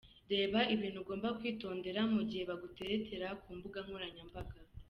Reba ibintu ugomba kwitondera mu gihe baguteretera ku mbuga nkoranyambaga.